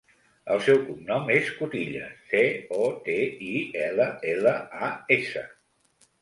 El seu cognom és Cotillas: ce, o, te, i, ela, ela, a, essa.